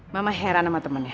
mama heran sama temennya